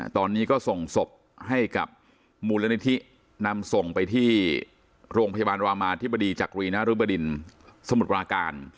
ตอนนี้ก็ส่งศพให้กับมูลนิธินำส่งไปที่โรงพยาบาลรามาธิบดีจักรีนรุบดินสมุทรปราการ